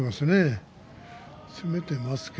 攻めていますね